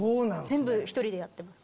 全部１人でやってます。